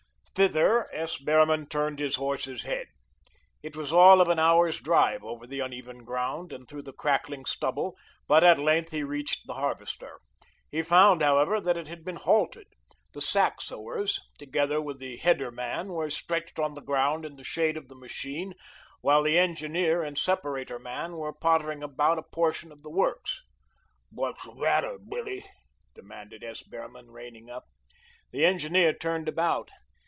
Thither S. Behrman turned his horse's head. It was all of an hour's drive over the uneven ground and through the crackling stubble, but at length he reached the harvester. He found, however, that it had been halted. The sack sewers, together with the header man, were stretched on the ground in the shade of the machine, while the engineer and separator man were pottering about a portion of the works. "What's the matter, Billy?" demanded S. Behrman reining up. The engineer turned about.